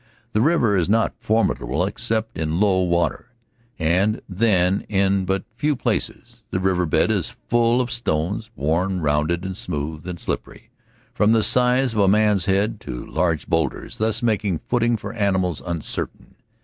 The river is not fordable except in low water, and then in but few places. The river bed is full of stones worn rounded and smooth and slippery, from the size of a man's head to large boulders, thus making footing for animals uncertain.